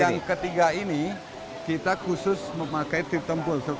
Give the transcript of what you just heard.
tapi yang ketiga ini kita khusus memakai tir tampul